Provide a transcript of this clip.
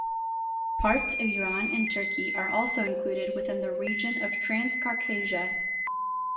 Parts of Iran and Turkey are also included within the region of Transcaucasia.